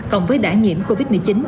cộng với đã nhiễm covid một mươi chín